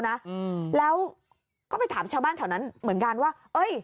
นะอืมแล้วก็ไปถามชาวบ้านแถวนั้นเหมือนกันว่าเอ้ย